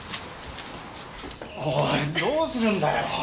おいどうするんだよ？